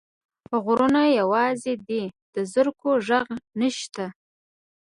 غرونه یوازي دي، د زرکو ږغ نشته